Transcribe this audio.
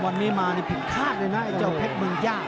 วันนี้มานี่ผิดคาดเลยนะไอ้เจ้าเพชรเมืองย่า